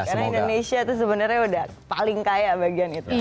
karena indonesia itu sebenarnya udah paling kaya bagian itu